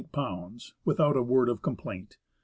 — without a word of complaint.